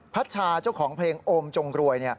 พัชชาเจ้าของเพลงโอมจงรวย